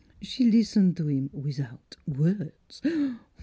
She listen to heem wizout words.